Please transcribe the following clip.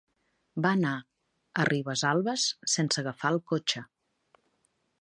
Va anar a Ribesalbes sense agafar el cotxe.